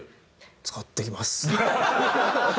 使ってみます。